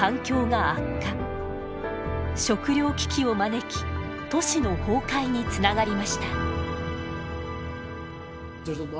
食糧危機を招き都市の崩壊につながりました。